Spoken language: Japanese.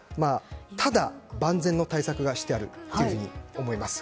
ただ、万全の対策はしてあると思います。